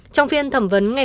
trong phiên thẩm vấn ngày một